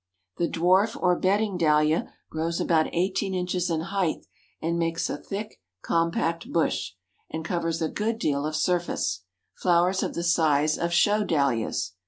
The Dwarf or Bedding Dahlia grows about eighteen inches in height, and makes a thick, compact bush, and covers a good deal of surface; flowers of the size of Show Dahlias.